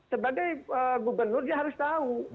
sebagai gubernur dia harus tahu